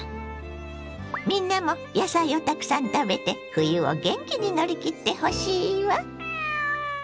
みんなも野菜をたくさん食べて冬を元気に乗り切ってほしいわ！